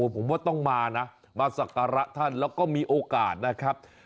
ผมว่าต้องมานะมาสักการะท่านแล้วก็มีโอกาสนะครับ